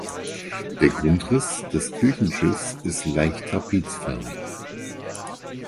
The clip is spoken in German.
Der Grundriss des Kirchenschiffs ist leicht trapezförmig.